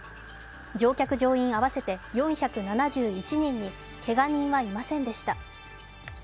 乗客・乗員合わせて４７１人にけが人はいませんでした。